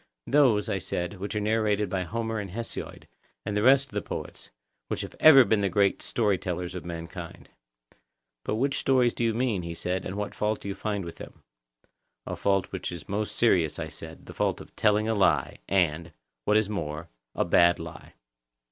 Those, I said, which are narrated by Homer and Hesiod, and the rest of the poets, who have ever been the great story tellers of mankind. But which stories do you mean, he said; and what fault do you find with them? A fault which is most serious, I said; the fault of telling a lie, and, what is more, a bad lie.